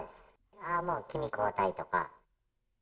ああ、もう君、交代とか。